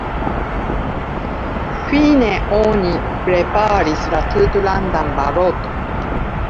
Fine oni preparis la tutlandan baloton.